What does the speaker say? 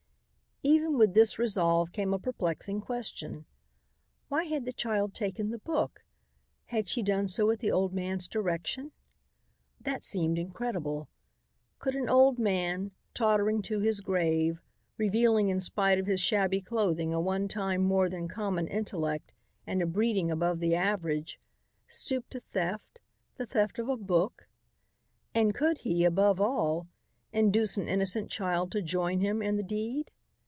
Even with this resolve came a perplexing problem. Why had the child taken the book? Had she done so at the old man's direction? That seemed incredible. Could an old man, tottering to his grave, revealing in spite of his shabby clothing a one time more than common intellect and a breeding above the average, stoop to theft, the theft of a book? And could he, above all, induce an innocent child to join him in the deed?